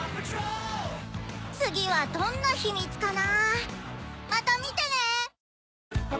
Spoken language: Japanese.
次はどんなヒ・ミ・ツかな？